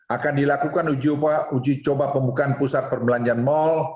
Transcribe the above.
akan dilakukan uji coba pembukaan pusat perbelanjaan mal